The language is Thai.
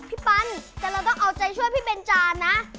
ปันแต่เราต้องเอาใจช่วยพี่เบนจานนะ